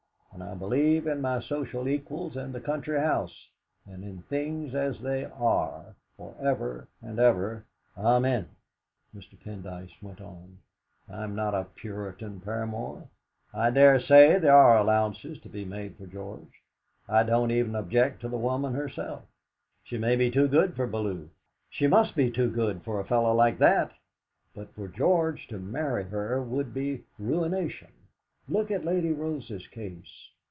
And I believe in my social equals and the country house, and in things as they are, for ever and ever. Amen.' Mr. Pendyce went on: "I'm not a Puritan, Paramor; I dare say there are allowances to be made for George. I don't even object to the woman herself; she may be too good for Bellew; she must be too good for a fellow like that! But for George to marry her would be ruination. Look at Lady Rose's case!